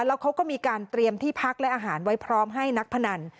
แล้วเขาก็มีการเตรียมที่พักและอาหารไว้พร้อมให้นักพนัน